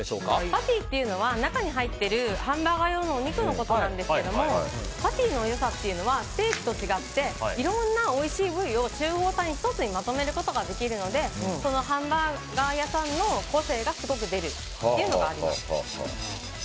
パティというのは中に入っているハンバーガー用のお肉のことなんですけどもパティの良さというのはステーキと違っていろんなおいしい部位を集合体に１つにまとめることができるのでハンバーガー屋さんの個性がすごい出るというのがあります。